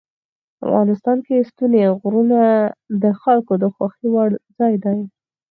افغانستان کې ستوني غرونه د خلکو د خوښې وړ ځای دی.